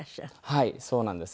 はいそうなんです。